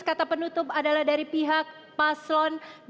kata penutup adalah dari pihak paslon dua